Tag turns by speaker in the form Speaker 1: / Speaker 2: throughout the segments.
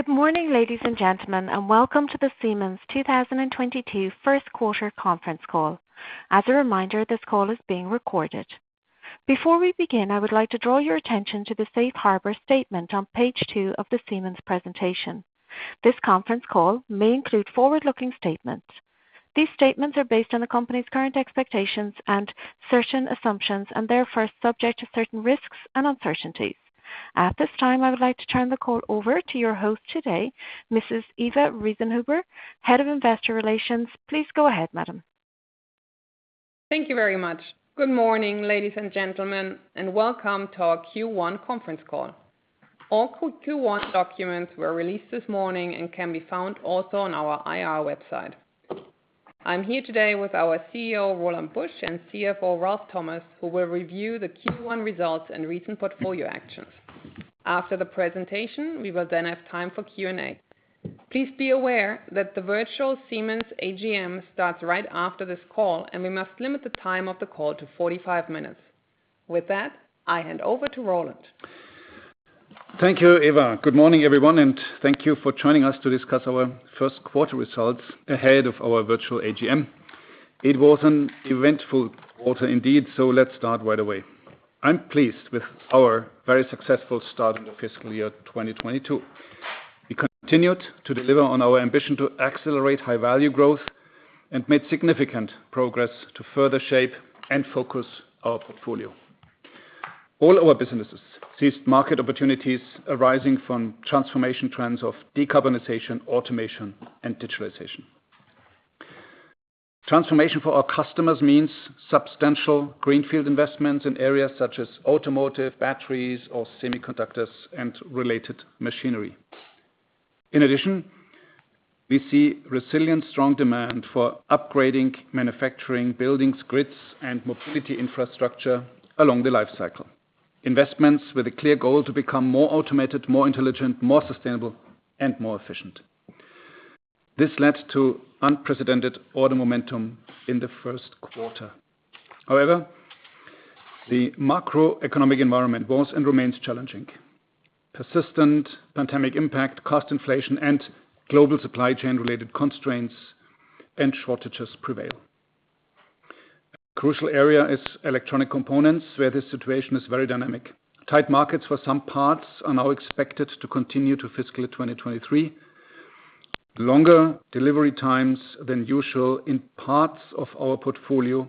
Speaker 1: Good morning, ladies and gentlemen, and welcome to the Siemens 2022 Q1 conference call. As a reminder, this call is being recorded. Before we begin, I would like to draw your attention to the safe harbor statement on page 2 of the Siemens presentation. This conference call may include forward-looking statements. These statements are based on the company's current expectations and certain assumptions, and therefore are subject to certain risks and uncertainties. At this time, I would like to turn the call over to your host today, Mrs. Eva Riesenhuber, Head of Investor Relations. Please go ahead, madam.
Speaker 2: Thank you very much. Good morning, ladies and gentlemen, and welcome to our Q1 conference call. All Q1 documents were released this morning and can be found also on our IR website. I'm here today with our CEO, Roland Busch, and CFO, Ralf Thomas, who will review the Q1 results and recent portfolio actions. After the presentation, we will then have time for Q&A. Please be aware that the virtual Siemens AGM starts right after this call, and we must limit the time of the call to 45 minutes. With that, I hand over to Roland.
Speaker 3: Thank you, Eva. Good morning, everyone, and thank you for joining us to discuss our Q1 results ahead of our virtual AGM. It was an eventful quarter indeed, so let's start right away. I'm pleased with our very successful start of the fiscal year 2022. We continued to deliver on our ambition to accelerate high value growth and made significant progress to further shape and focus our portfolio. All our businesses seized market opportunities arising from transformation trends of decarbonization, automation, and digitalization. Transformation for our customers means substantial greenfield investments in areas such as automotive, batteries or semiconductors, and related machinery. In addition, we see resilient, strong demand for upgrading manufacturing buildings, grids, and Mobility infrastructure along the life cycle, investments with a clear goal to become more automated, more intelligent, more sustainable, and more efficient. This led to unprecedented order momentum in the first quarter. However, the macroeconomic environment was and remains challenging. Persistent pandemic impact, cost inflation, and global supply chain related constraints and shortages prevail. A crucial area is electronic components, where the situation is very dynamic. Tight markets for some parts are now expected to continue to fiscal 2023. Longer delivery times than usual in parts of our portfolio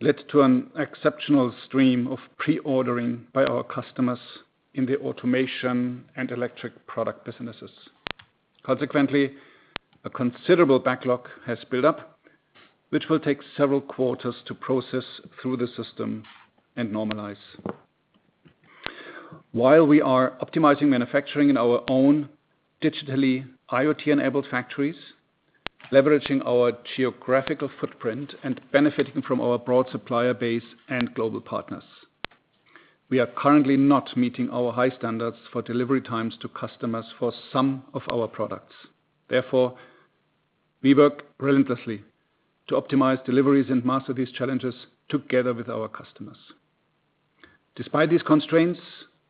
Speaker 3: led to an exceptional stream of pre-ordering by our customers in the automation and Electrical Products businesses. Consequently, a considerable backlog has built up, which will take several quarters to process through the system and normalize. While we are optimizing manufacturing in our own digitally IoT-enabled factories, leveraging our geographical footprint and benefiting from our broad supplier base and global partners, we are currently not meeting our high standards for delivery times to customers for some of our products. Therefore, we work relentlessly to optimize deliveries and master these challenges together with our customers. Despite these constraints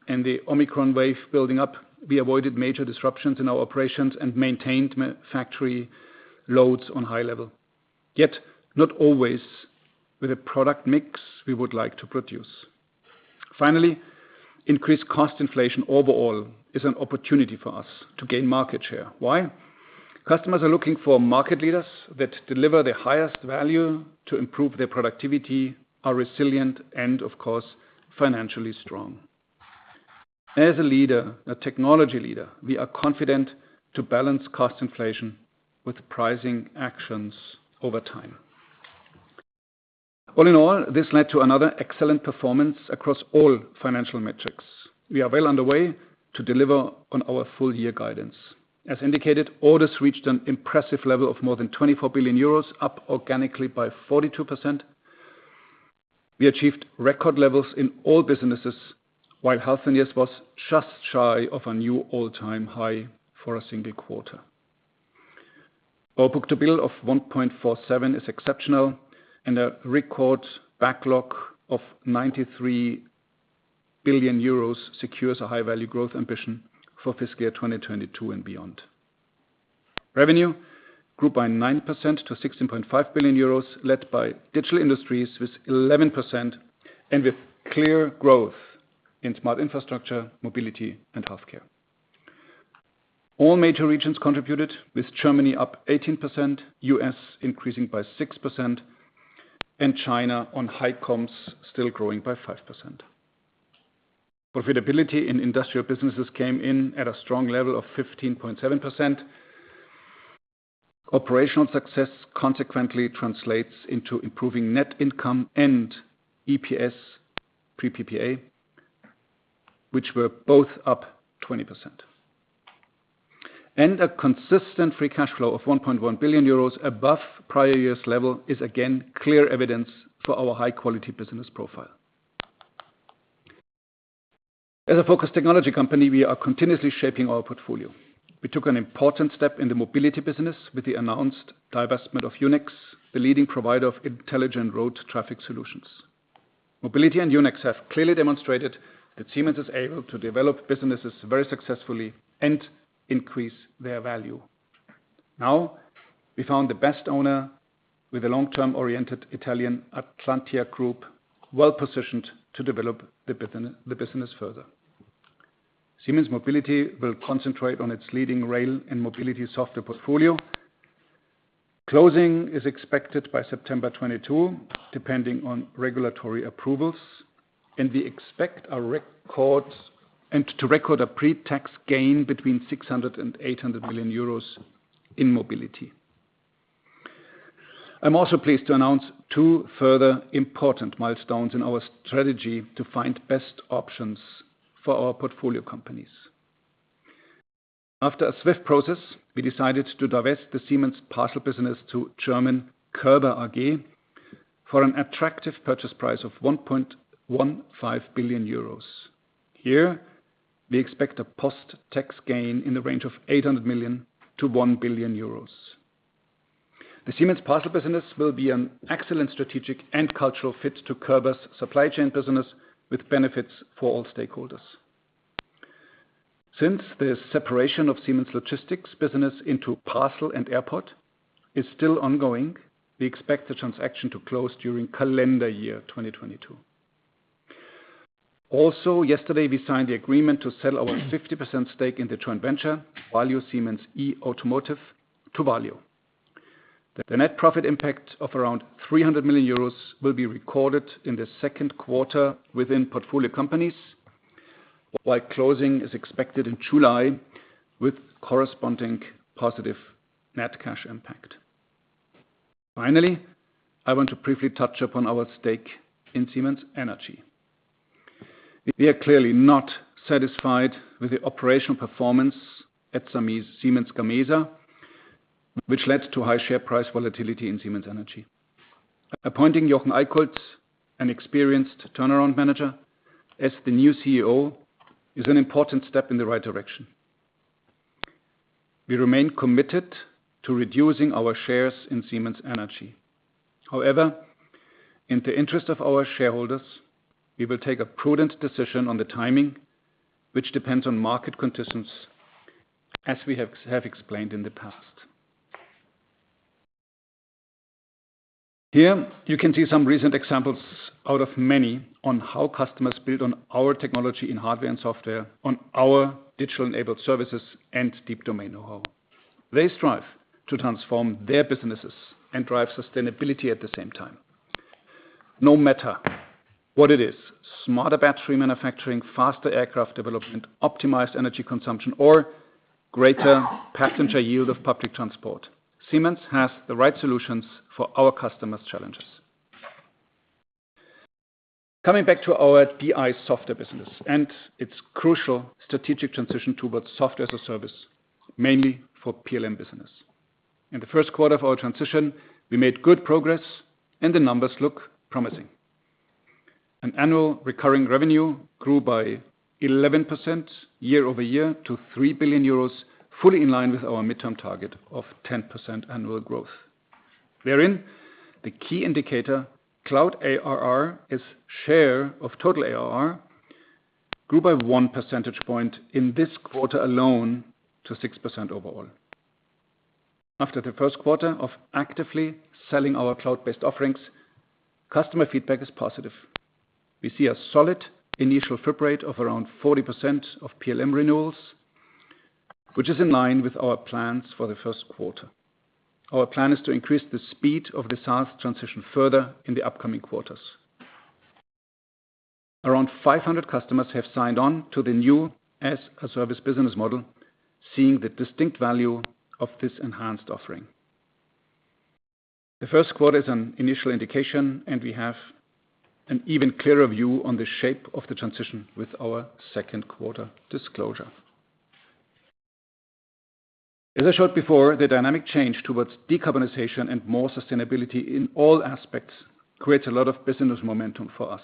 Speaker 3: and the Omicron wave building up, we avoided major disruptions in our operations and maintained factory loads on high level, yet not always with a product mix we would like to produce. Finally, increased cost inflation overall is an opportunity for us to gain market share. Why? Customers are looking for market leaders that deliver the highest value to improve their productivity, are resilient, and of course, financially strong. As a leader, a technology leader, we are confident to balance cost inflation with pricing actions over time. All in all, this led to another excellent performance across all financial metrics. We are well underway to deliver on our full year guidance. As indicated, orders reached an impressive level of more than 24 billion euros, up organically by 42%. We achieved record levels in all businesses, while Healthineers was just shy of a new all-time high for a single quarter. Our book to bill of 1.47 is exceptional, and a record backlog of 93 billion euros secures a high-value growth ambition for fiscal 2022 and beyond. Revenue grew by 9% to 16.5 billion euros, led by Digital Industries with 11% and with clear growth in Smart Infrastructure, Mobility and healthcare. All major regions contributed, with Germany up 18%, U.S. increasing by 6%, and China on high comps still growing by 5%. Profitability in industrial businesses came in at a strong level of 15.7%. Operational success consequently translates into improving net income and EPS pre PPA, which were both up 20%. A consistent free cash flow of 1.1 billion euros above prior year's level is again clear evidence for our high-quality business profile. As a focused technology company, we are continuously shaping our portfolio. We took an important step in the mobility business with the announced divestment of Yunex Traffic, the leading provider of intelligent road traffic solutions. Siemens Mobility and Yunex Traffic have clearly demonstrated that Siemens is able to develop businesses very successfully and increase their value. Now, we found the best owner with a long-term-oriented Italian Atlantia group, well-positioned to develop the business further. Siemens Mobility will concentrate on its leading rail and mobility software portfolio. Closing is expected by September 2022, depending on regulatory approvals, and we expect to record a pretax gain between 600 million euros and 800 million euros in Mobility. I'm also pleased to announce 2 further important milestones in our strategy to find best options for our portfolio companies. After a swift process, we decided to divest the Siemens parcel business to German Körber AG for an attractive purchase price of 1.15 billion euros. Here, we expect a post-tax gain in the range of 800 million-1 billion euros. The Siemens parcel business will be an excellent strategic and cultural fit to Körber's supply chain business with benefits for all stakeholders. Since the separation of Siemens logistics business into parcel and airport is still ongoing, we expect the transaction to close during calendar year 2022. Also yesterday, we signed the agreement to sell our 50% stake in the joint venture, Valeo Siemens eAutomotive, to Valeo. The net profit impact of around 300 million euros will be recorded in the second quarter within portfolio companies, while closing is expected in July with corresponding positive net cash impact. Finally, I want to briefly touch upon our stake in Siemens Energy. We are clearly not satisfied with the operational performance at Siemens Gamesa, which led to high share price volatility in Siemens Energy. Appointing Jochen Eickholt, an experienced turnaround manager, as the new CEO, is an important step in the right direction. We remain committed to reducing our shares in Siemens Energy. However, in the interest of our shareholders, we will take a prudent decision on the timing, which depends on market conditions as we have explained in the past. Here, you can see some recent examples out of many on how customers build on our technology in hardware and software on our digital-enabled services and deep domain know-how. They strive to transform their businesses and drive sustainability at the same time. No matter what it is, smarter battery manufacturing, faster aircraft development, optimized energy consumption, or greater passenger yield of public transport, Siemens has the right solutions for our customers' challenges. Coming back to our DI software business and its crucial strategic transition towards software as a service, mainly for PLM business. In the first quarter of our transition, we made good progress and the numbers look promising. Our annual recurring revenue grew by 11% year-over-year to 3 billion euros, fully in line with our mid-term target of 10% annual growth. Wherein, the key indicator, cloud ARR as share of total ARR, grew by 1 percentage point in this quarter alone to 6% overall. After Q1 of actively selling our cloud-based offerings, customer feedback is positive. We see a solid initial flip rate of around 40% of PLM renewals, which is in line with our plans for Q1. Our plan is to increase the speed of the SaaS transition further in the upcoming quarters. Around 500 customers have signed on to the new as-a-service business model, seeing the distinct value of this enhanced offering. Q1 is an initial indication, and we have an even clearer view on the shape of the transition with our Q2 disclosure. As I showed before, the dynamic change toward decarbonization and more sustainability in all aspects creates a lot of business momentum for us.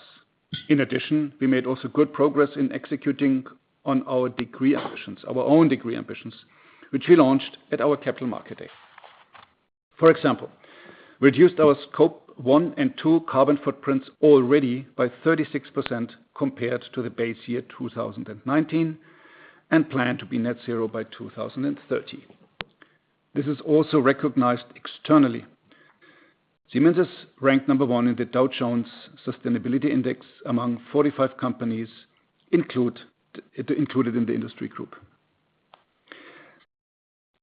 Speaker 3: In addition, we made also good progress in executing on our DEGREE ambitions, which we launched at our Capital Market Day. For example, we reduced our Scope 1 and 2 carbon footprints already by 36% compared to the base year 2019 and plan to be net zero by 2030. This is also recognized externally. Siemens is ranked number one in the Dow Jones Sustainability Index among 45 companies included in the industry group.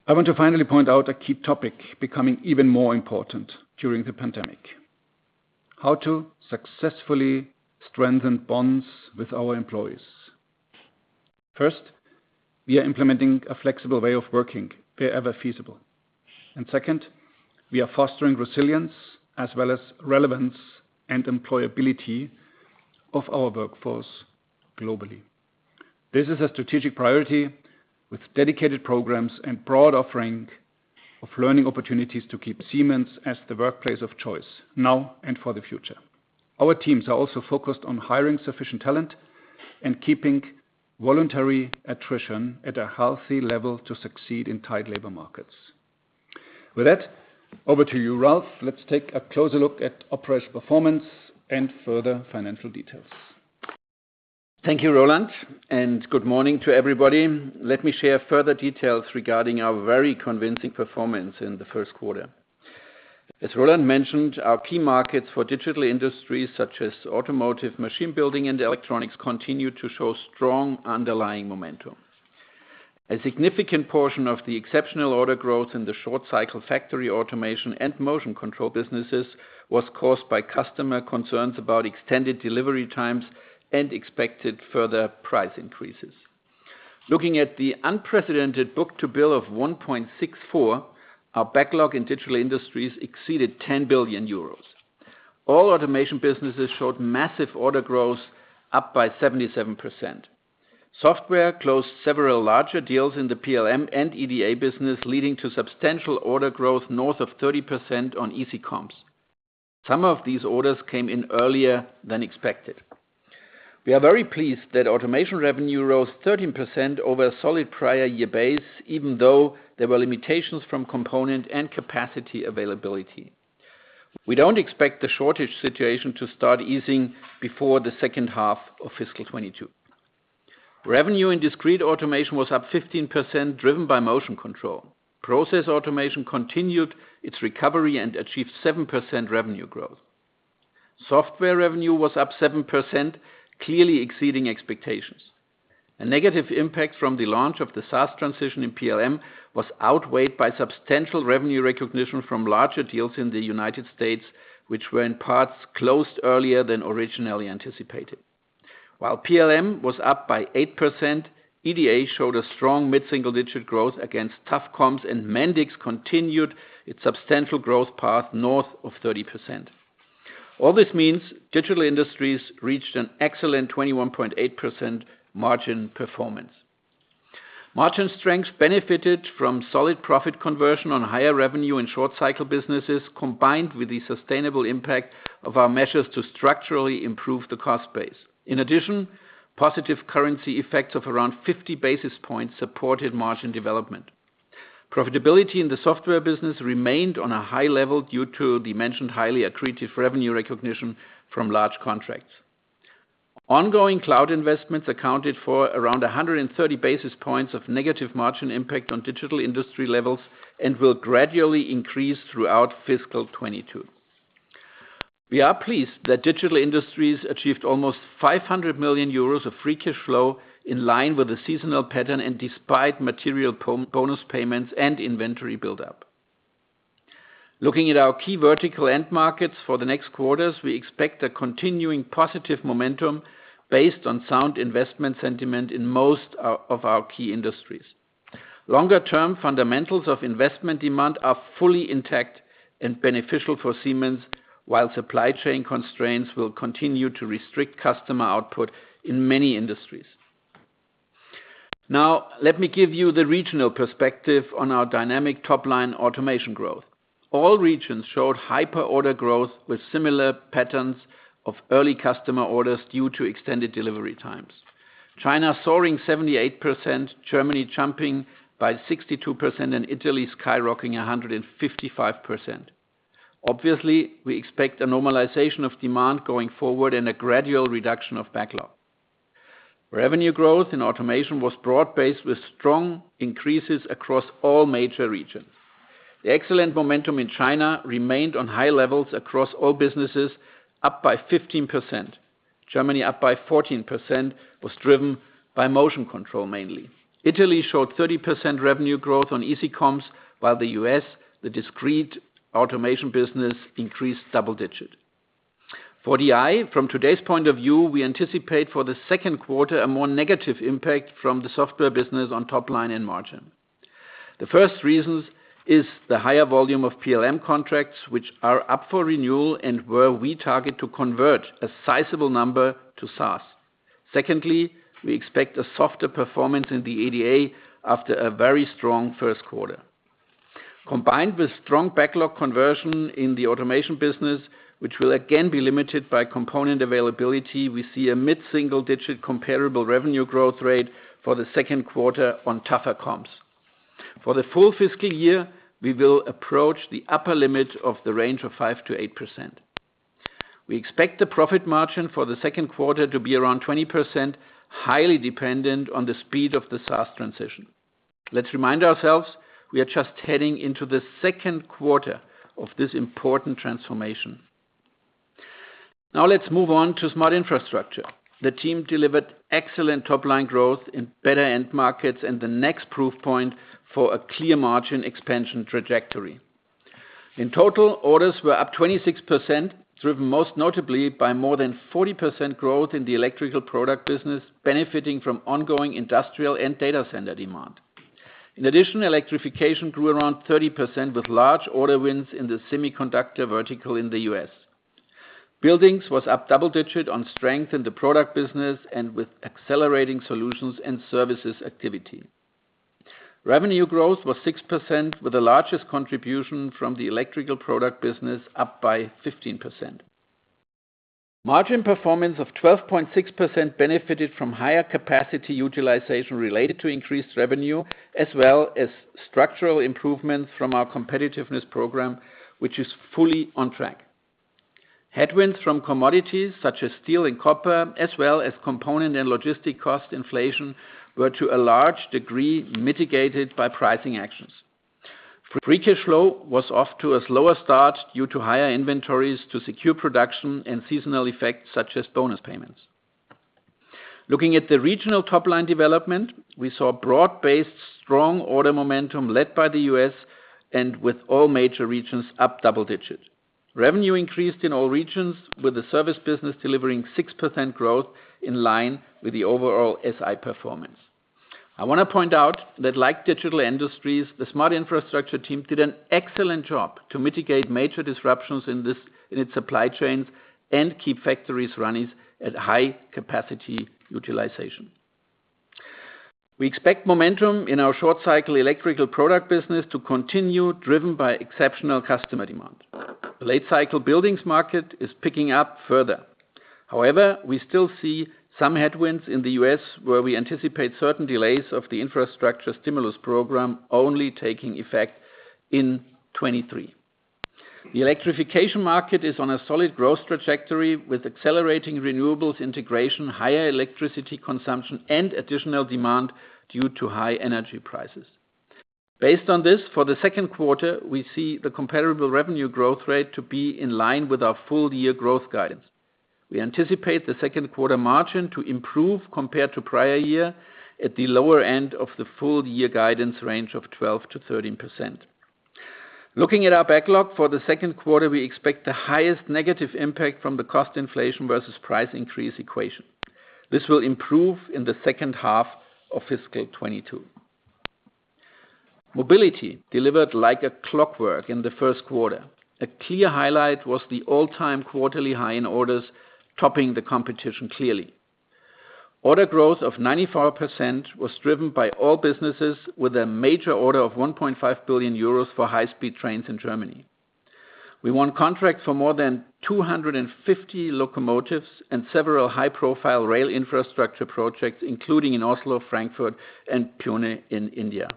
Speaker 3: I want to finally point out a key topic becoming even more important during the pandemic. How to successfully strengthen bonds with our employees. First, we are implementing a flexible way of working wherever feasible. Second, we are fostering resilience as well as relevance and employability of our workforce globally. This is a strategic priority with dedicated programs and broad offering of learning opportunities to keep Siemens as the workplace of choice now and for the future. Our teams are also focused on hiring sufficient talent and keeping voluntary attrition at a healthy level to succeed in tight labor markets. With that, over to you, Ralf. Let's take a closer look at operational performance and further financial details.
Speaker 4: Thank you, Roland, and good morning to everybody. Let me share further details regarding our very convincing performance in Q1. As Roland mentioned, our key markets for Digital Industries, such as automotive machine building and electronics, continue to show strong underlying momentum. A significant portion of the exceptional order growth in the short-cycle Factory Automation and Motion Control businesses was caused by customer concerns about extended delivery times and expected further price increases. Looking at the unprecedented book-to-bill of 1.64, our backlog in Digital Industries exceeded 10 billion euros. All automation businesses showed massive order growth up by 77%. Software closed several larger deals in the PLM and EDA business, leading to substantial order growth north of 30% on easy comps. Some of these orders came in earlier than expected. We are very pleased that automation revenue rose 13% over a solid prior year base, even though there were limitations from component and capacity availability. We don't expect the shortage situation to start easing before H2 of fiscal 2022. Revenue in discrete automation was up 15%, driven by motion control. Process automation continued its recovery and achieved 7% revenue growth. Software revenue was up 7%, clearly exceeding expectations. A negative impact from the launch of the SaaS transition in PLM was outweighed by substantial revenue recognition from larger deals in the United States, which were in parts closed earlier than originally anticipated. While PLM was up by 8%, EDA showed a strong mid-single-digit growth against tough comps, and Mendix continued its substantial growth path north of 30%. All this means Digital Industries reached an excellent 21.8% margin performance. Margin strength benefited from solid profit conversion on higher revenue and short-cycle businesses, combined with the sustainable impact of our measures to structurally improve the cost base. In addition, positive currency effects of around 50 basis points supported margin development. Profitability in the software business remained on a high level due to the mentioned highly accretive revenue recognition from large contracts. Ongoing cloud investments accounted for around 130 basis points of negative margin impact on Digital Industries levels and will gradually increase throughout fiscal 2022. We are pleased that Digital Industries achieved almost 500 million euros of free cash flow in line with the seasonal pattern and despite material profit bonus payments and inventory buildup. Looking at our key vertical end markets for the next quarters, we expect a continuing positive momentum based on sound investment sentiment in most of our key industries. Longer-term fundamentals of investment demand are fully intact and beneficial for Siemens, while supply chain constraints will continue to restrict customer output in many industries. Now, let me give you the regional perspective on our dynamic top-line automation growth. All regions showed hyper order growth with similar patterns of early customer orders due to extended delivery times. China soaring 78%, Germany jumping by 62%, and Italy skyrocketing 155%. Obviously, we expect a normalization of demand going forward and a gradual reduction of backlog. Revenue growth in automation was broad-based, with strong increases across all major regions. The excellent momentum in China remained on high levels across all businesses, up by 15%. Germany, up by 14%, was driven by Motion Control mainly. Italy showed 30% revenue growth on easy comps, while the U.S., the Discrete Automation business increased double digit. For DI, from today's point of view, we anticipate for Q2 a more negative impact from the software business on top line and margin. The first reason is the higher volume of PLM contracts, which are up for renewal and where we target to convert a sizable number to SaaS. Secondly, we expect a softer performance in the EDA after a very strong Q1. Combined with strong backlog conversion in the automation business, which will again be limited by component availability, we see a mid-single digit comparable revenue growth rate for the second quarter on tougher comps. For the full fiscal year, we will approach the upper limit of the range of 5%-8%. We expect the profit margin for the second quarter to be around 20%, highly dependent on the speed of the SaaS transition. Let's remind ourselves, we are just heading into Q2 of this important transformation. Now let's move on to Smart Infrastructure. The team delivered excellent top-line growth in better end markets and the next proof point for a clear margin expansion trajectory. In total, orders were up 26%, driven most notably by more than 40% growth in the Electrical Products business, benefiting from ongoing industrial and data center demand. In addition, Electrification grew around 30%, with large order wins in the semiconductor vertical in the U.S. Buildings was up double-digit on strength in the product business and with accelerating solutions and services activity. Revenue growth was 6%, with the largest contribution from the Electrical Products business up by 15%. Margin performance of 12.6% benefited from higher capacity utilization related to increased revenue, as well as structural improvements from our competitiveness program, which is fully on track. Headwinds from commodities such as steel and copper, as well as component and logistics cost inflation, were to a large degree mitigated by pricing actions. Free cash flow was off to a slower start due to higher inventories to secure production and seasonal effects such as bonus payments. Looking at the regional top-line development, we saw broad-based strong order momentum led by the U.S. and with all major regions up double digits. Revenue increased in all regions, with the service business delivering 6% growth in line with the overall SI performance. I want to point out that like Digital Industries, the Smart Infrastructure team did an excellent job to mitigate major disruptions in its supply chains and keep factories running at high capacity utilization. We expect momentum in our short-cycle Electrical Products business to continue, driven by exceptional customer demand. The late-cycle buildings market is picking up further. However, we still see some headwinds in the U.S., where we anticipate certain delays of the infrastructure stimulus program only taking effect in 2023. The Electrification market is on a solid growth trajectory with accelerating renewables integration, higher electricity consumption, and additional demand due to high energy prices. Based on this, for the second quarter, we see the comparable revenue growth rate to be in line with our full-year growth guidance. We anticipate Q2 margin to improve compared to prior year at the lower end of the full-year guidance range of 12%-13%. Looking at our backlog for Q2, we expect the highest negative impact from the cost inflation versus price increase equation. This will improve in the second half of fiscal 2022. Mobility delivered like clockwork in Q1. A clear highlight was the all-time quarterly high in orders, topping the competition clearly. Order growth of 94% was driven by all businesses with a major order of 1.5 billion euros for high-speed trains in Germany. We won contracts for more than 250 locomotives and several high-profile rail infrastructure projects, including in Oslo, Frankfurt, and Pune in India.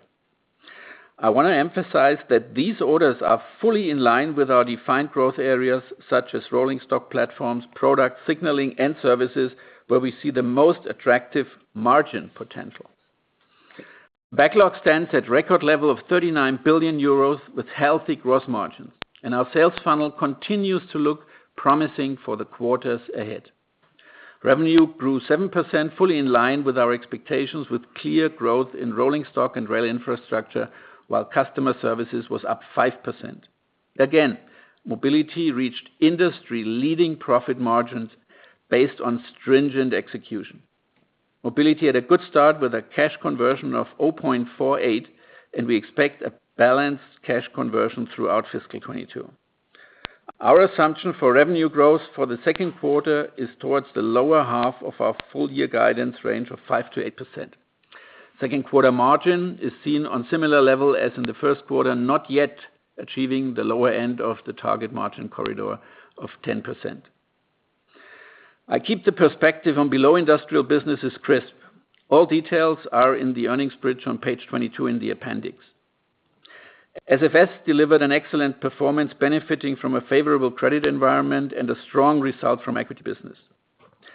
Speaker 4: I want to emphasize that these orders are fully in line with our defined growth areas such as rolling stock platforms, product signaling, and services, where we see the most attractive margin potential. Backlog stands at record level of 39 billion euros with healthy gross margins, and our sales funnel continues to look promising for the quarters ahead. Revenue grew 7% fully in line with our expectations with clear growth in rolling stock and rail infrastructure, while customer services was up 5%. Again, Mobility reached industry-leading profit margins based on stringent execution. Mobility had a good start with a cash conversion of 0.48, and we expect a balanced cash conversion throughout fiscal 2022. Our assumption for revenue growth for the second quarter is towards the lower half of our full-year guidance range of 5%-8%. Q2 margin is seen on similar level as in the first quarter, not yet achieving the lower end of the target margin corridor of 10%. I keep the perspective on below industrial businesses crisp. All details are in the earnings bridge on page 22 in the appendix. SFS delivered an excellent performance benefiting from a favorable credit environment and a strong result from equity business.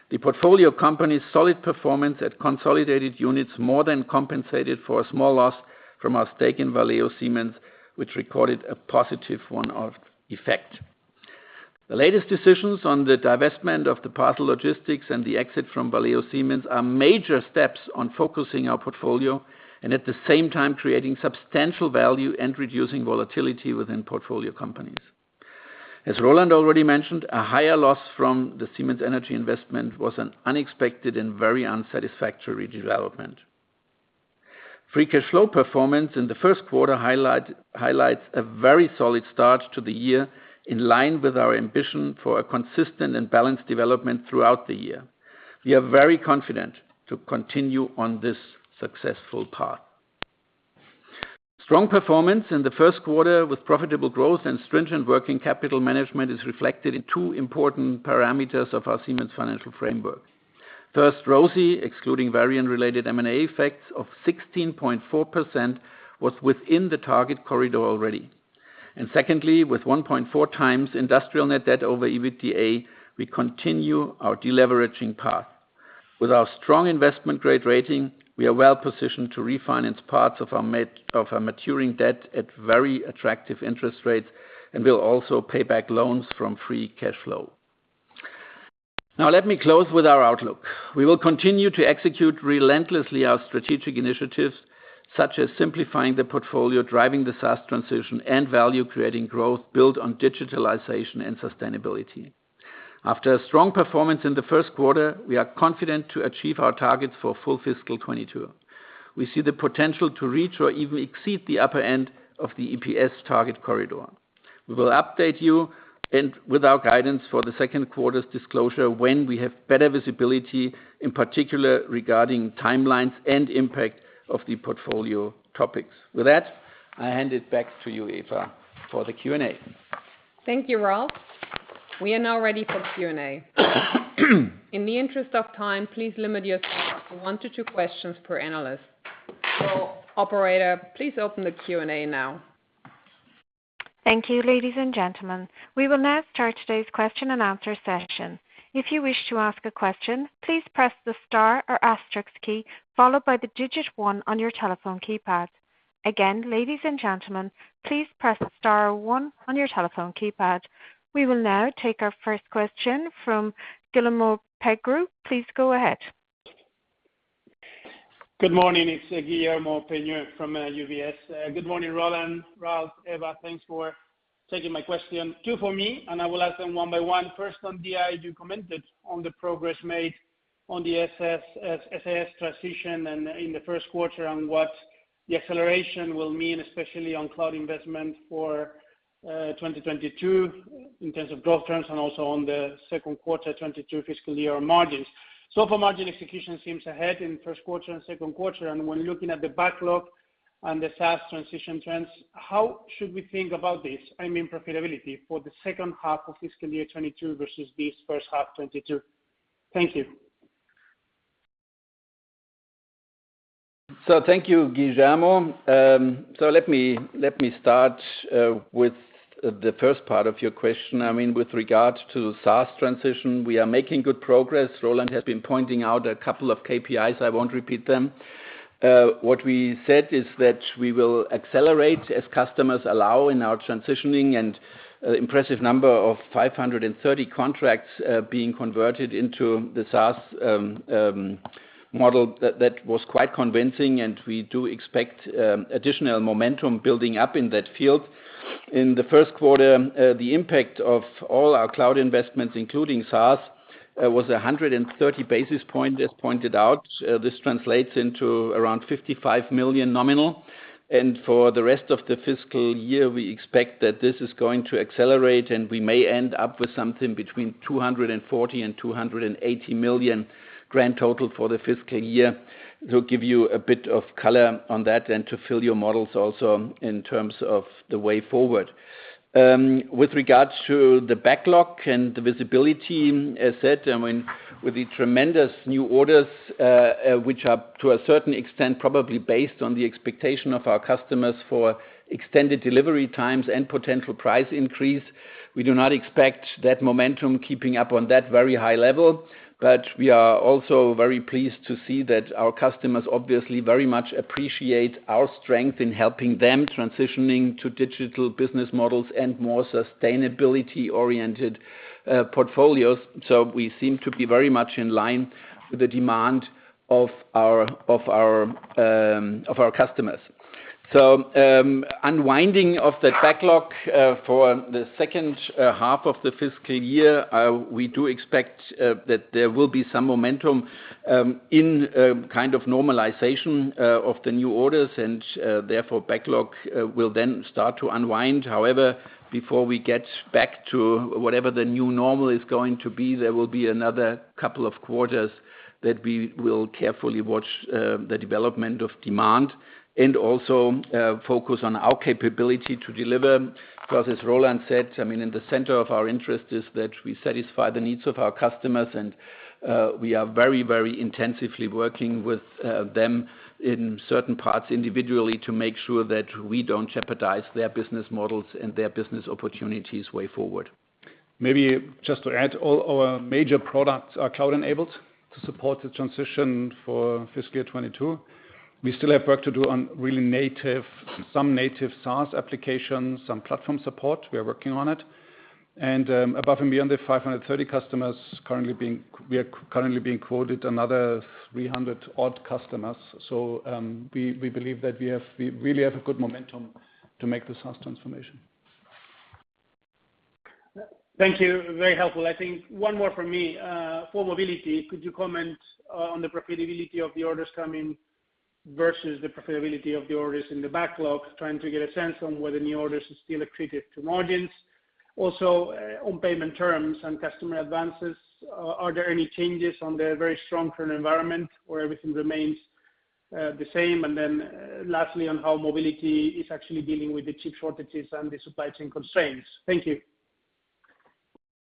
Speaker 4: The portfolio company's solid performance and consolidated units more than compensated for a small loss from our stake in Valeo Siemens, which recorded a positive one-off effect. The latest decisions on the divestment of the parcel logistics and the exit from Valeo Siemens are major steps in focusing our portfolio and at the same time creating substantial value and reducing volatility within portfolio companies. As Roland already mentioned, a higher loss from the Siemens Energy investment was an unexpected and very unsatisfactory development. Free cash flow performance in the first quarter highlights a very solid start to the year in line with our ambition for a consistent and balanced development throughout the year. We are very confident to continue on this successful path. Strong performance in the first quarter with profitable growth and stringent working capital management is reflected in two important parameters of our Siemens financial framework. First, ROSI, excluding Varian-related M&A effects of 16.4%, was within the target corridor already. Secondly, with 1.4 times industrial net debt over EBITDA, we continue our deleveraging path. With our strong investment-grade rating, we are well-positioned to refinance parts of our maturing debt at very attractive interest rates, and we'll also pay back loans from free cash flow. Now let me close with our outlook. We will continue to execute relentlessly our strategic initiatives, such as simplifying the portfolio, driving the SaaS transition, and value-creating growth built on digitalization and sustainability. After a strong performance in the first quarter, we are confident to achieve our targets for full fiscal 2022. We see the potential to reach or even exceed the upper end of the EPS target corridor. We will update you with our guidance for Q2's disclosure when we have better visibility, in particular regarding timelines and impact of the portfolio topics. With that, I hand it back to you, Eva, for the Q&A.
Speaker 2: Thank you, Ralf. We are now ready for Q&A. In the interest of time, please limit yourself to 1-2 questions per analyst. Operator, please open the Q&A now.
Speaker 1: Thank you, ladies and gentlemen. We will now start today's question-and-answer session. If you wish to ask a question, please press the star or asterisk key followed by the digit one on your telephone keypad. Again, ladies and gentlemen, please press star one on your telephone keypad. We will now take our first question from Guillermo Pena. Please go ahead.
Speaker 5: Good morning. It's Guillermo Pena from UBS. Good morning, Roland, Ralf, Eva. Thanks for taking my question. Two for me, and I will ask them one by one. First, on DI, you commented on the progress made on the SaaS transition and in Q1 on what the acceleration will mean, especially on cloud investment for 2022 in terms of growth trends and also on Q2 2022 fiscal year margins. For margin execution seems ahead in Q1 and Q2, and when looking at the backlog and the SaaS transition trends, how should we think about this, I mean, profitability for H2 of fiscal year 2022 versus this H1 2022? Thank you.
Speaker 4: Thank you, Guillermo. I mean, let me start with the first part of your question. I mean, with regards to SaaS transition, we are making good progress. Roland has been pointing out a couple of KPIs. I won't repeat them. What we said is that we will accelerate as customers allow in our transitioning, and impressive number of 530 contracts being converted into the SaaS model that was quite convincing, and we do expect additional momentum building up in that field. In Q1, the impact of all our cloud investments, including SaaS, was 130 basis points as pointed out. This translates into around 55 million nominal. For the rest of the fiscal year, we expect that this is going to accelerate, and we may end up with something between 240 million and 280 million grand total for the fiscal year. It will give you a bit of color on that and to fill your models also in terms of the way forward. With regards to the backlog and the visibility, as said, I mean, with the tremendous new orders, which are to a certain extent, probably based on the expectation of our customers for extended delivery times and potential price increase, we do not expect that momentum keeping up on that very high level. We are also very pleased to see that our customers obviously very much appreciate our strength in helping them transitioning to digital business models and more sustainability-oriented portfolios. We seem to be very much in line with the demand of our customers. Unwinding of the backlog for H2 of the fiscal year, we do expect that there will be some momentum in kind of normalization of the new orders, and therefore, backlog will then start to unwind. However, before we get back to whatever the new normal is going to be, there will be another couple of quarters that we will carefully watch the development of demand and also focus on our capability to deliver. Because as Roland said, I mean, in the center of our interest is that we satisfy the needs of our customers, and we are very, very intensively working with them in certain parts individually to make sure that we don't jeopardize their business models and their business opportunities way forward.
Speaker 3: Maybe just to add, all our major products are cloud-enabled to support the transition for fiscal 2022. We still have work to do on really native, some native SaaS applications, some platform support. We are working on it. Above and beyond the 530 customers currently, we are currently quoting another 300-odd customers. We believe that we really have a good momentum to make the SaaS transformation.
Speaker 5: Thank you. Very helpful. I think one more from me. For mobility, could you comment on the profitability of the orders coming versus the profitability of the orders in the backlog, trying to get a sense on whether new orders is still accretive to margins? Also, on payment terms and customer advances, are there any changes on the very strong current environment or everything remains the same? Lastly, on how mobility is actually dealing with the chip shortages and the supply chain constraints. Thank you.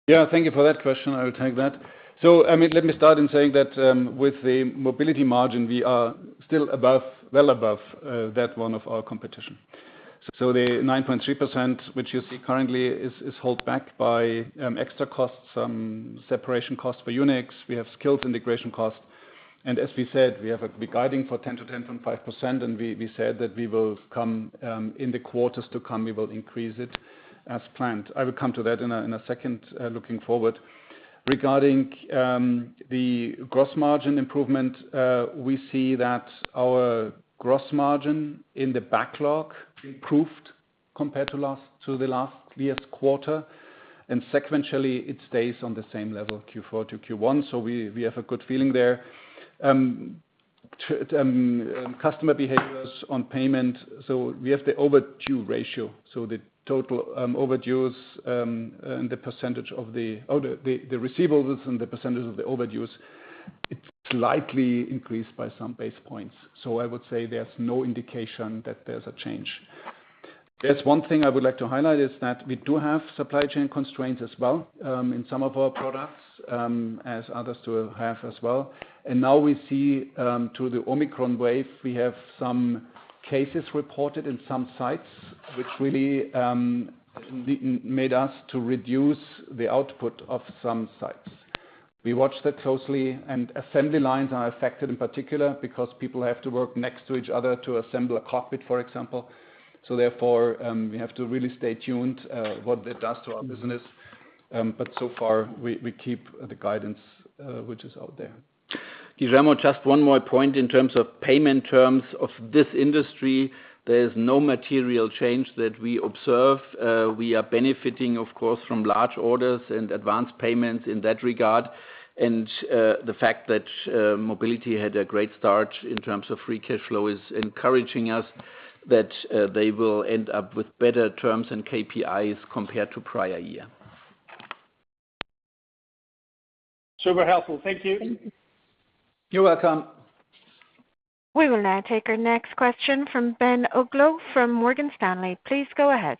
Speaker 3: Yeah, thank you for that question. I will take that. I mean, let me start by saying that, with the mobility margin, we are still above, well above, that of our competition. The 9.3%, which you see currently, is held back by extra costs, some separation costs for Yunex. We have skills integration costs. As we said, we're guiding for 10%-10.5%, and we said that we will come, in the quarters to come, we will increase it as planned. I will come to that in a second, looking forward. Regarding the gross margin improvement, we see that our gross margin in the backlog improved compared to the last year's quarter, and sequentially, it stays on the same level, Q4 to Q1. We have a good feeling there as to customer behaviors on payment. We have the overdue ratio, the total overdues and the percentage of the receivables and the percentage of the overdues. It's slightly increased by some basis points. I would say there's no indication that there's a change. One thing I would like to highlight is that we do have supply chain constraints as well in some of our products, as others too have as well. Now we see due to the Omicron wave, we have some cases reported in some sites, which really made us to reduce the output of some sites. We watch that closely, and assembly lines are affected in particular because people have to work next to each other to assemble a cockpit, for example. Therefore, we have to really stay tuned, what that does to our business. So far, we keep the guidance, which is out there.
Speaker 4: Guillermo, just one more point. In terms of payment terms of this industry, there's no material change that we observe. We are benefiting of course from large orders and advanced payments in that regard. The fact that Mobility had a great start in terms of free cash flow is encouraging us that they will end up with better terms and KPIs compared to prior year.
Speaker 5: Super helpful. Thank you.
Speaker 4: You're welcome.
Speaker 1: We will now take our next question from Ben Uglow from Morgan Stanley. Please go ahead.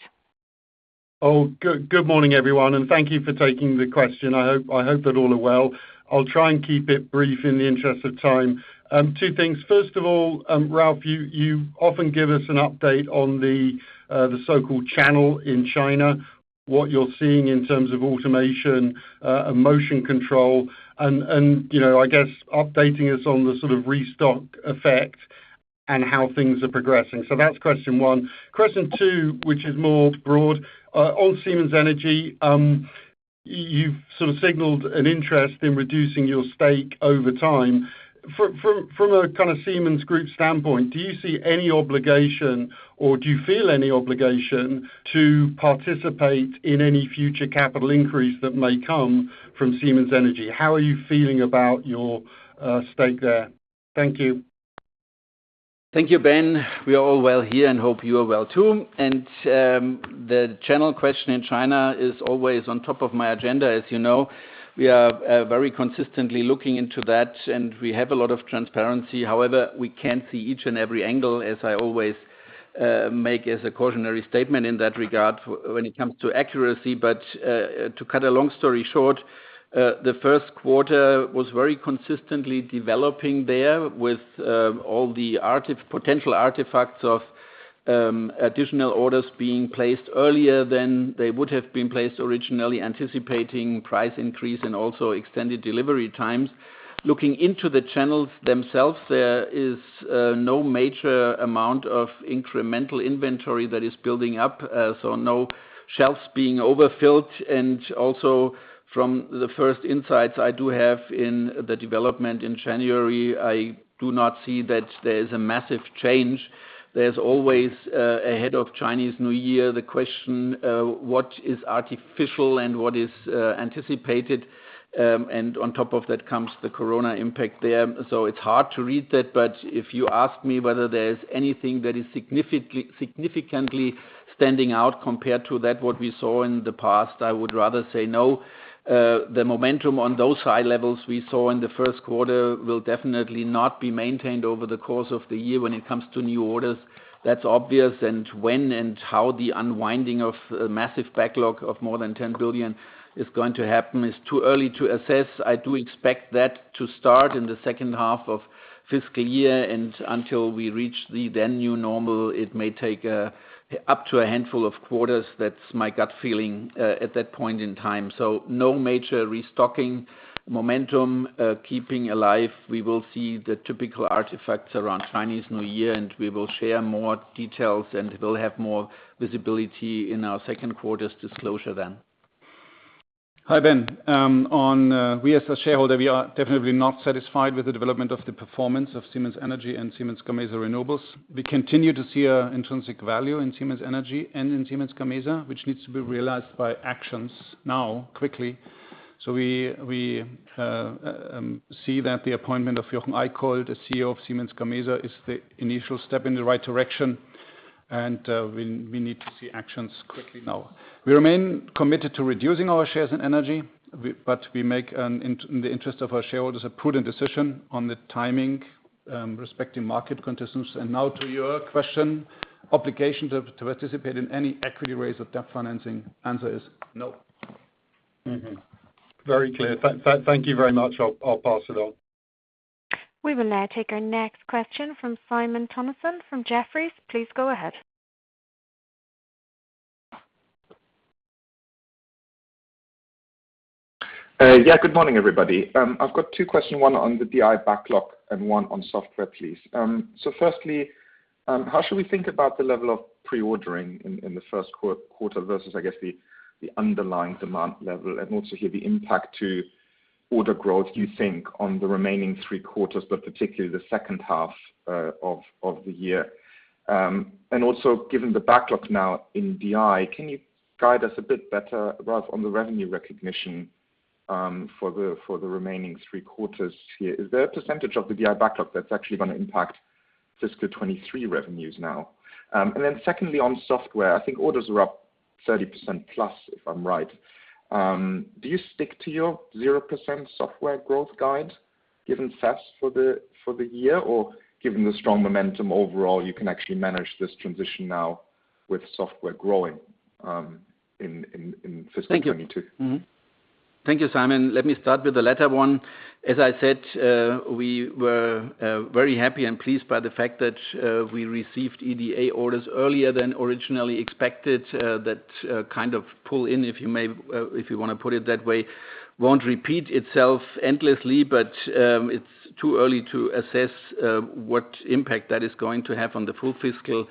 Speaker 6: Good morning, everyone, and thank you for taking the question. I hope that all are well. I'll try and keep it brief in the interest of time. Two things. First of all, Ralf, you often give us an update on the so-called channel in China, what you're seeing in terms of automation, motion control, and you know, I guess updating us on the sort of restock effect and how things are progressing. So that's question one. Question two, which is more broad. On Siemens Energy, you've sort of signaled an interest in reducing your stake over time. From a kind of Siemens Group standpoint, do you see any obligation or do you feel any obligation to participate in any future capital increase that may come from Siemens Energy? How are you feeling about your stake there? Thank you.
Speaker 4: Thank you, Ben. We are all well here and hope you are well too. The channel question in China is always on top of my agenda, as you know. We are very consistently looking into that, and we have a lot of transparency. However, we can't see each and every angle as I always make as a cautionary statement in that regard when it comes to accuracy. To cut a long story short, the first quarter was very consistently developing there with all the potential artifacts of additional orders being placed earlier than they would have been placed originally, anticipating price increase and also extended delivery times. Looking into the channels themselves, there is no major amount of incremental inventory that is building up, so no shelves being overfilled. From the first insights I do have in the development in January, I do not see that there is a massive change. There's always, ahead of Chinese New Year, the question, what is artificial and what is, anticipated. On top of that comes the corona impact there. It's hard to read that. If you ask me whether there's anything that is significantly standing out compared to that what we saw in the past, I would rather say no. The momentum on those high levels we saw in the first quarter will definitely not be maintained over the course of the year when it comes to new orders. That's obvious. When and how the unwinding of a massive backlog of more than 10 billion is going to happen is too early to assess. I do expect that to start in H2 of fiscal year. Until we reach the then new normal, it may take up to a handful of quarters. That's my gut feeling at that point in time. No major restocking momentum keeping alive. We will see the typical artifacts around Chinese New Year, and we will share more details, and we'll have more visibility in our Q2's disclosure then.
Speaker 3: Hi, Ben. We as a shareholder, we are definitely not satisfied with the development of the performance of Siemens Energy and Siemens Gamesa Renewable Energy. We continue to see an intrinsic value in Siemens Energy and in Siemens Gamesa, which needs to be realized by actions now, quickly. We see that the appointment of Jochen Eickholt, the CEO of Siemens Gamesa, is the initial step in the right direction. We need to see actions quickly now. We remain committed to reducing our shares in Energy, but we make, in the interest of our shareholders, a prudent decision on the timing, respecting market conditions. Now to your question, obligation to participate in any equity raise or debt financing. Answer is no.
Speaker 6: Very clear. Thank you very much. I'll pass it on.
Speaker 1: We will now take our next question from Simon Toennessen from Jefferies. Please go ahead.
Speaker 7: Yeah, good morning, everybody. I've got two questions, one on the DI backlog and one on software, please. So firstly, how should we think about the level of pre-ordering in Q1 versus, I guess, the underlying demand level and also the impact to order growth, do you think, on the remaining three quarters, but particularly H2 of the year? And also given the backlog now in DI, can you guide us a bit better, Ralf, on the revenue recognition for the remaining three quarters here? Is there a percentage of the DI backlog that's actually gonna impact fiscal 2023 revenues now? And then secondly on software, I think orders are up 30% plus, if I'm right. Do you stick to your 0% software growth guide given SaaS for the year? Given the strong momentum overall, you can actually manage this transition now with software growing in fiscal 2022.
Speaker 4: Thank you. Thank you, Simon. Let me start with the latter one. As I said, we were very happy and pleased by the fact that we received EDA orders earlier than originally expected. That kind of pull in, if you may, if you wanna put it that way, won't repeat itself endlessly, but it's too early to assess what impact that is going to have on the full fiscal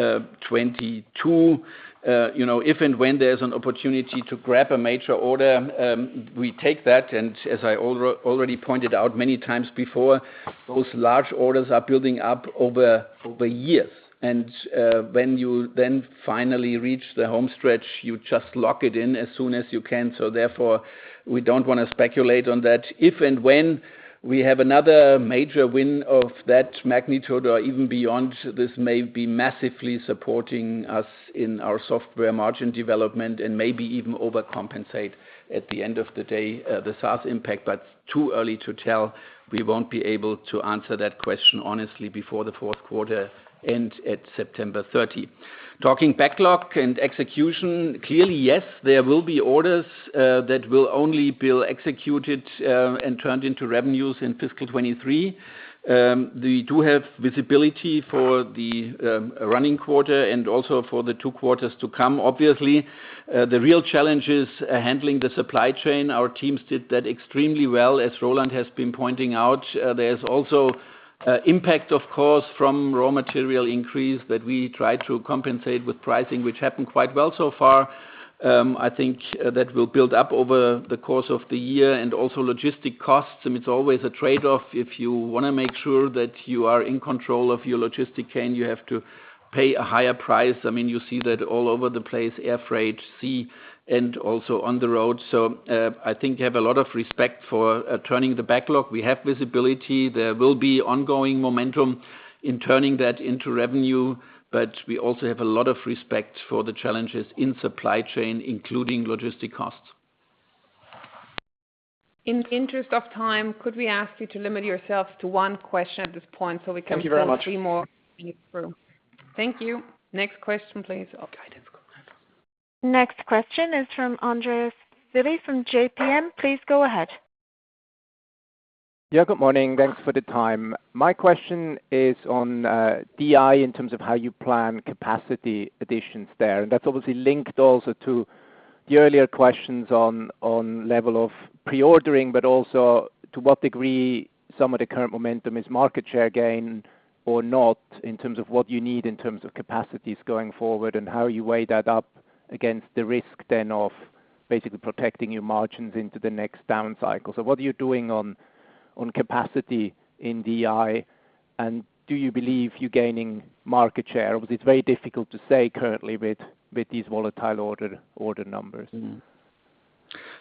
Speaker 4: 2022. You know, if and when there's an opportunity to grab a major order, we take that, and as I already pointed out many times before, those large orders are building up over years. When you then finally reach the home stretch, you just lock it in as soon as you can. Therefore, we don't wanna speculate on that. If and when we have another major win of that magnitude or even beyond, this may be massively supporting us in our software margin development and maybe even overcompensate at the end of the day, the SaaS impact, but too early to tell. We won't be able to answer that question honestly before the fourth quarter and at September 30. Talking backlog and execution, clearly, yes, there will be orders that will only be executed and turned into revenues in fiscal 2023. We do have visibility for the running quarter and also for the two quarters to come, obviously. The real challenge is handling the supply chain. Our teams did that extremely well, as Roland has been pointing out. There's also impact of course from raw material increase that we try to compensate with pricing, which happened quite well so far. I think that will build up over the course of the year. Also logistics costs, I mean, it's always a trade-off if you wanna make sure that you are in control of your logistics chain, you have to pay a higher price. I mean, you see that all over the place, air freight, sea, and also on the road. I think you have a lot of respect for turning the backlog. We have visibility. There will be ongoing momentum in turning that into revenue, but we also have a lot of respect for the challenges in supply chain, including logistics costs.
Speaker 2: In the interest of time, could we ask you to limit yourselves to one question at this point so we can fit three more?
Speaker 4: Thank you very much.
Speaker 2: through? Thank you. Next question, please.
Speaker 1: Next question is from Andreas Willi from JPMorgan. Please go ahead.
Speaker 8: Yeah. Good morning. Thanks for the time. My question is on DI in terms of how you plan capacity additions there. That's obviously linked also to the earlier questions on the level of pre-ordering, but also to what degree some of the current momentum is market share gain or not in terms of what you need in terms of capacities going forward and how you weigh that up against the risk then of basically protecting your margins into the next down cycle. What are you doing on capacity in DI, and do you believe you're gaining market share? Obviously, it's very difficult to say currently with these volatile order numbers.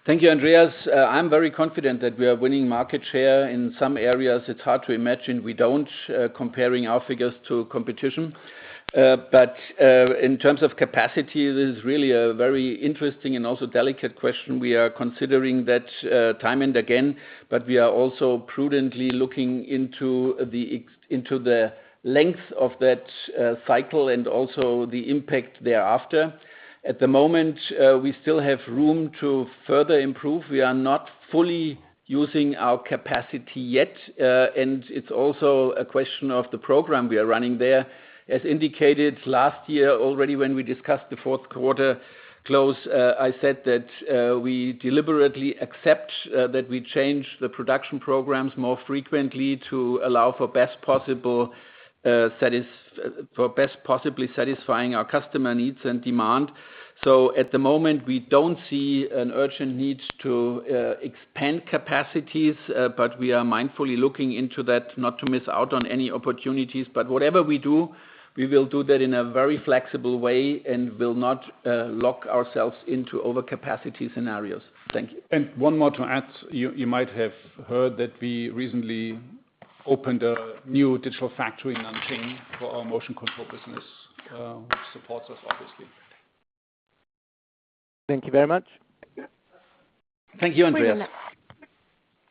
Speaker 4: Thank you, Andreas. I'm very confident that we are winning market share in some areas. It's hard to imagine we don't, comparing our figures to competition. In terms of capacity, this is really a very interesting and also delicate question. We are considering that time and again, but we are also prudently looking into the length of that cycle and also the impact thereafter. At the moment, we still have room to further improve. We are not fully using our capacity yet. It's also a question of the program we are running there. As indicated last year already when we discussed the fourth quarter close, I said that we deliberately accept that we change the production programs more frequently to allow for best possible for best possibly satisfying our customer needs and demand. At the moment, we don't see an urgent need to expand capacities, but we are mindfully looking into that not to miss out on any opportunities. Whatever we do, we will do that in a very flexible way and will not lock ourselves into overcapacity scenarios. Thank you.
Speaker 3: One more to add. You might have heard that we recently opened a new digital factory in Nanjing for our motion control business, which supports us obviously.
Speaker 8: Thank you very much.
Speaker 4: Thank you, Andreas.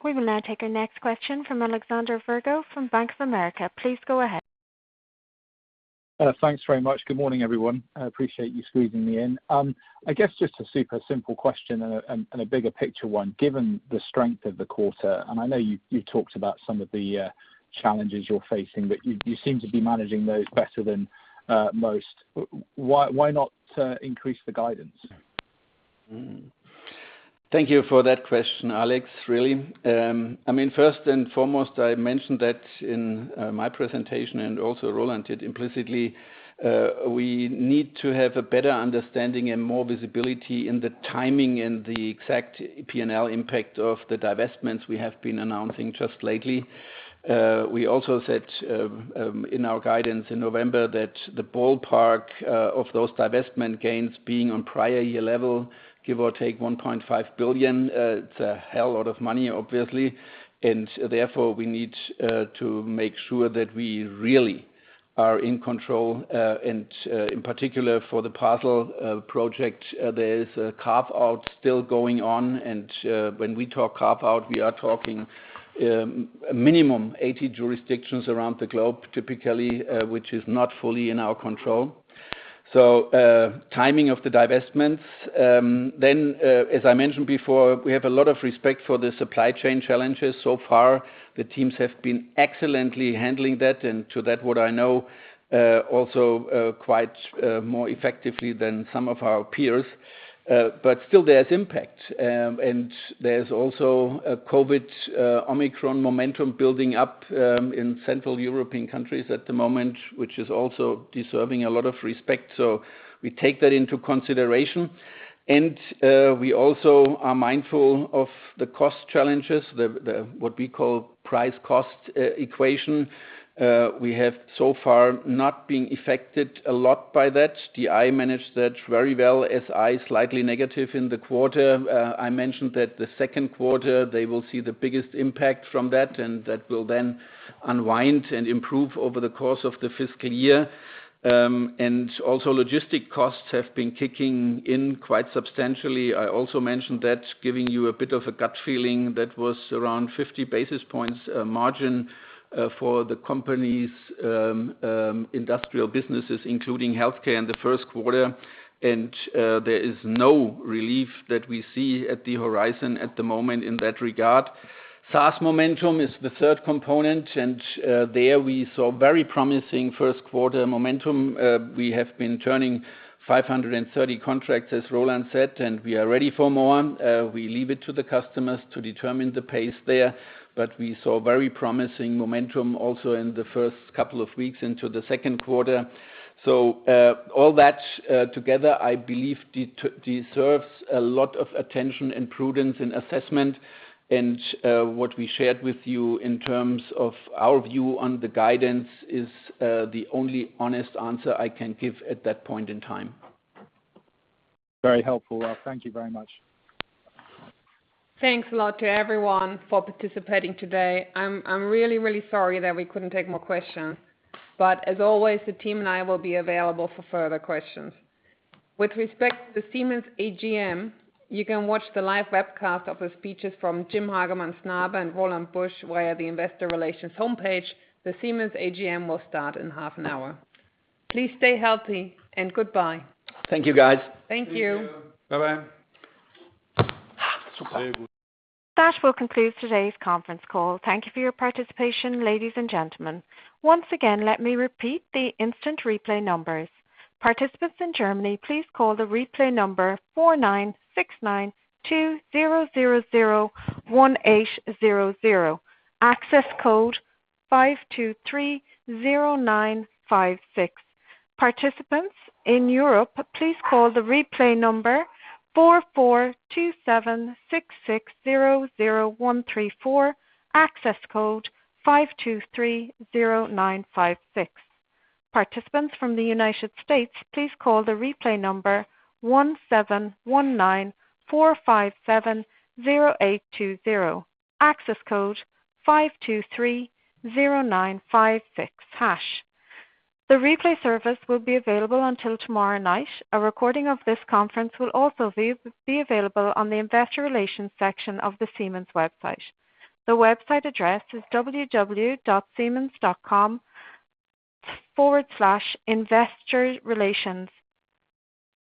Speaker 1: We will now take our next question from Alexander Virgo from Bank of America. Please go ahead.
Speaker 9: Thanks very much. Good morning, everyone. I appreciate you squeezing me in. I guess just a super simple question and a bigger picture one. Given the strength of the quarter, and I know you've talked about some of the challenges you're facing, but you seem to be managing those better than most. Why not increase the guidance?
Speaker 4: Thank you for that question, Alex. Really, I mean, first and foremost, I mentioned that in my presentation and also Roland did implicitly. We need to have a better understanding and more visibility in the timing and the exact P&L impact of the divestments we have been announcing just lately. We also said in our guidance in November that the ballpark of those divestment gains being on prior year level, give or take 1.5 billion, it's a hell lot of money, obviously. Therefore, we need to make sure that we really are in control. In particular for the parcel project, there is a carve-out still going on. When we talk carve-out, we are talking minimum 80 jurisdictions around the globe, typically, which is not fully in our control. Timing of the divestments, as I mentioned before, we have a lot of respect for the supply chain challenges. So far, the teams have been excellently handling that, and from what I know, also quite more effectively than some of our peers. Still, there's impact. There's also a COVID Omicron momentum building up in central European countries at the moment, which is also deserving a lot of respect. We take that into consideration. We also are mindful of the cost challenges, what we call price-cost equation. So far, we have not been affected a lot by that. DI managed that very well. SI slightly negative in the quarter. I mentioned that Q2 they will see the biggest impact from that, and that will then unwind and improve over the course of the fiscal year. Logistics costs have been kicking in quite substantially. I also mentioned that giving you a bit of a gut feeling that was around 50 basis points margin for the company's industrial businesses, including healthcare in Q1. There is no relief that we see on the horizon at the moment in that regard. SaaS momentum is the third component, and there we saw very promising first quarter momentum. We have been turning 530 contracts, as Roland said, and we are ready for more. We leave it to the customers to determine the pace there, but we saw very promising momentum also in the first couple of weeks into Q2. All that together, I believe deserves a lot of attention and prudence in assessment. What we shared with you in terms of our view on the guidance is the only honest answer I can give at that point in time.
Speaker 9: Very helpful, Ralf. Thank you very much.
Speaker 2: Thanks a lot to everyone for participating today. I'm really sorry that we couldn't take more questions. As always, the team and I will be available for further questions. With respect to the Siemens AGM, you can watch the live webcast of the speeches from Jim Hagemann Snabe and Roland Busch via the investor relations homepage. The Siemens AGM will start in half an hour. Please stay healthy, and goodbye.
Speaker 4: Thank you, guys.
Speaker 2: Thank you.
Speaker 3: Thank you. Bye-bye.
Speaker 1: That will conclude today's conference call. Thank you for your participation, ladies and gentlemen. Once again, let me repeat the instant replay numbers. Participants in Germany, please call the replay number 496920001800. Access code 5230956. Participants in Europe, please call the replay number 44276600134. Access code 5230956. Participants from the United States, please call the replay number 17194570820. Access code 5230956 #. The replay service will be available until tomorrow night. A recording of this conference will also be available on the investor relations section of the Siemens website. The website address is www.siemens.com/investorrelations.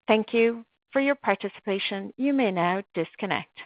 Speaker 1: Thank you for your participation. You may now disconnect.